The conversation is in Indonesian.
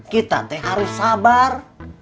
kita teh harus sabar